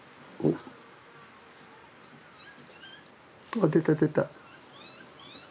あっ出た出た。